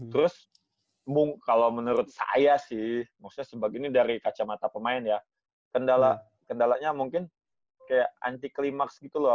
terus kalau menurut saya sih maksudnya sebagai ini dari kacamata pemain ya kendalanya mungkin kayak anti klimaks gitu loh